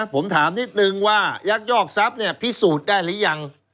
ผมถามนิดนึงว่ายักยอกทรัพย์พิสูจน์ได้หรือยัง